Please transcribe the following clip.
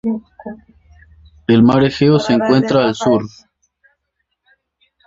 El Mar Egeo se encuentra al sur.